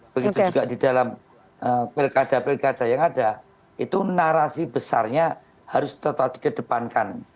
begitu juga di dalam pilkada pilkada yang ada itu narasi besarnya harus tetap dikedepankan